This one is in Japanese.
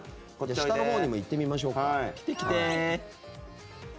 下のほうにも行ってみましょうか。